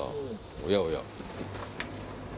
おやおや。